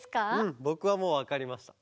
ぼくはもうわかりました。